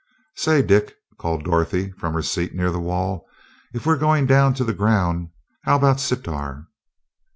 "Say, Dick," called Dorothy, from her seat near the wall. "If we're going down to the ground, how about Sitar?"